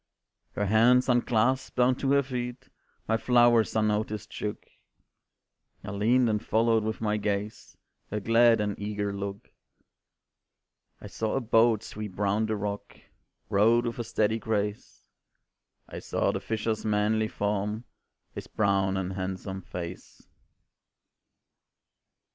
Her hands unclasped, down to her feet My flowers unnoticed shook; I leaned and followed with my gaze Her glad and eager look. I saw a boat sweep round the rock, Rowed with a steady grace; I saw the fisher's manly form, His brown and handsome face.